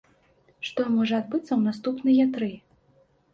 Што можа адбыцца ў наступныя тры?